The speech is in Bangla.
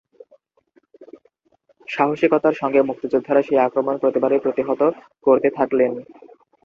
সাহসিকতার সঙ্গে মুক্তিযোদ্ধারা সেই আক্রমণ প্রতিবারই প্রতিহত করতে থাকলেন।